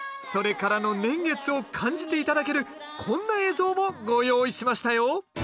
それからの年月を感じて頂けるこんな映像もご用意しましたよ